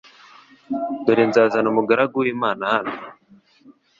Dore nzazana umugaragu w'imana hano